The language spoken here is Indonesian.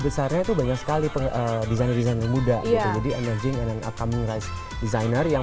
besarnya itu banyak sekali pengen desainer desainer muda ya jadi energi dan akamu guys designer yang